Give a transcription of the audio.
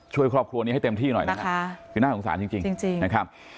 ช่วยครอบครัวนี้ให้เต็มที่หน่อยนะครับคือน่าสงสารจริงนะครับ